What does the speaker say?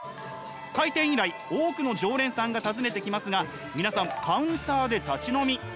開店以来多くの常連さんが訪ねてきますが皆さんカウンターで立ち飲み。